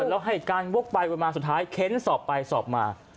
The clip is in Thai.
แล้วให้การวกไปวนมาสุดท้ายเค้นสอบไปสอบมา